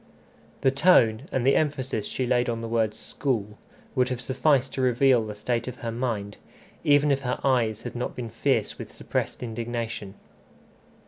The tone, and the emphasis she laid on the word school, would have sufficed to reveal the state of her mind, even if her eyes had not been fierce with suppressed indignation.